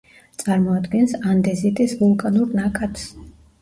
წარმოადგენს ანდეზიტის ვულკანურ ნაკადს.